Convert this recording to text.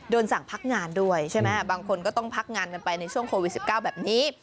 สั่งพักงานด้วยใช่ไหมบางคนก็ต้องพักงานกันไปในช่วงโควิด๑๙แบบนี้